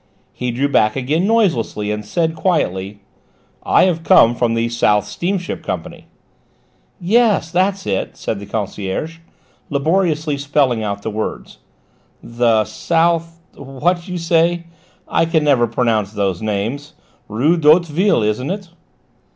He drew back again noiselessly, and said quietly: "I have come from the South Steamship Company." "Yes, that's it," said the concierge, laboriously spelling out the words: "the South what you said. I can never pronounce those names. Rue d'Hauteville, isn't it?"